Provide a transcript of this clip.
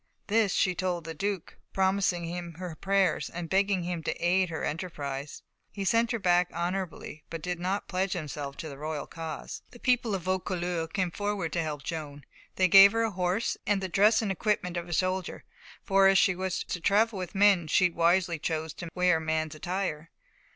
This she told the Duke, promising him her prayers, and begging him to aid in her enterprise. He sent her back honourably, but did not pledge himself to the royal cause. The people of Vaucouleurs came forward to help Joan. They gave her a horse, and the dress and equipment of a soldier; for as she was to travel with men, she wisely chose to wear man's attire.